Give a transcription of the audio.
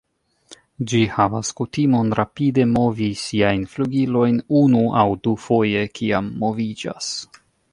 Ĝi havas kutimon rapide movi siajn flugilojn unu aŭ dufoje kiam moviĝas.